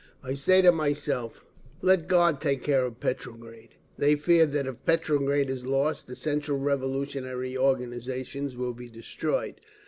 I say to myself, "Let God take care of Petrograd." They fear that if Petrograd is lost the central revolutionary organisations will be destroyed.